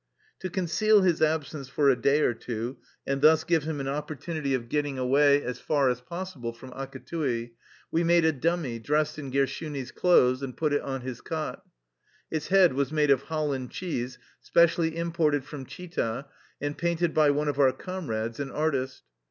To conceal his absence for a day or two and thus give him an opportunity of getting away 176 THE LIFE STOKY OP A KUSSIAN EXILE as far as possible from Akattii, we made a dummy, dressed in Gershuni's clothes, and put it on his cot. Its head was made of Holland cheese specially imported from Chita and painted by one of our comrades, an artist.